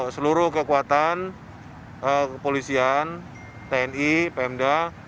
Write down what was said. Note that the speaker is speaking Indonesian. seluruh kekuatan polisian tni pmda